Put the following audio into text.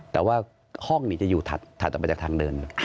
แต่ว่าห้องจะอยู่ถัดออกไปจากทางเดิน